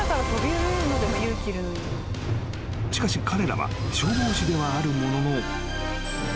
［しかし彼らは消防士ではあるものの］